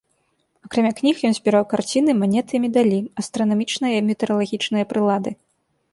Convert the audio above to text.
Акрамя кніг ён збіраў карціны, манеты і медалі, астранамічныя і метэаралагічныя прылады.